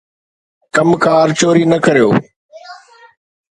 ڪم کان چوري نه ڪريو.